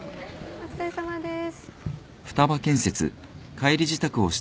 お疲れさまです。